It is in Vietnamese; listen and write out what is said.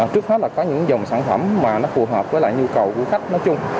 trước hết là có những dòng sản phẩm mà nó phù hợp với lại nhu cầu của khách nói chung